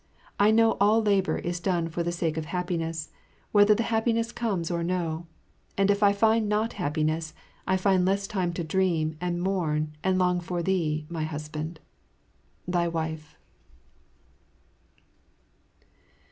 I know all labour is done for the sake of happiness, whether the happiness comes or no; and if I find not happiness, I find less time to dream and mourn and long for thee, my husband. Thy Wife.